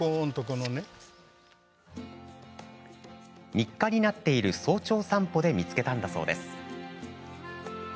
日課になっている早朝散歩で見つけたんだそうです。